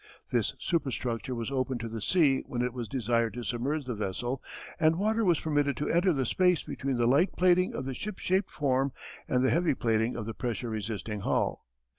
This superstructure was opened to the sea when it was desired to submerge the vessel, and water was permitted to enter the space between the light plating of the ship shaped form and the heavy plating of the pressure resisting hull.